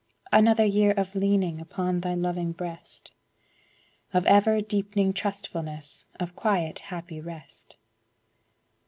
Another year of leaning Upon Thy loving breast, Of ever deepening trustfulness, Of quiet, happy rest.